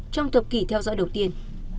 trong thập kỷ theo dõi đầu tiên